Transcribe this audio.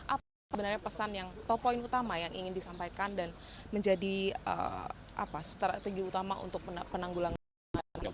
apa sebenarnya pesan yang atau poin utama yang ingin disampaikan dan menjadi strategi utama untuk penanggulangan bencana